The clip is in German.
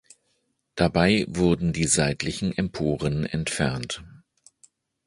Dabei wurden die seitlichen Emporen entfernt.